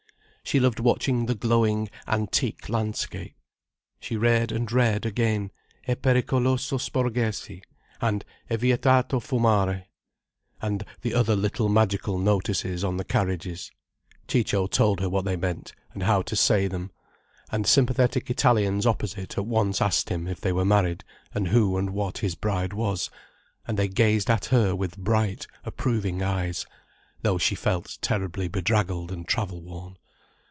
She loved watching the glowing antique landscape. She read and read again: "E pericoloso sporgersi," and "E vietato fumare," and the other little magical notices on the carriages. Ciccio told her what they meant, and how to say them. And sympathetic Italians opposite at once asked him if they were married and who and what his bride was, and they gazed at her with bright, approving eyes, though she felt terribly bedraggled and travel worn.